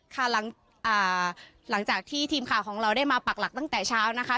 ค่ะหลังจากที่ทีมข่าวของเราได้มาปักหลักตั้งแต่เช้านะคะ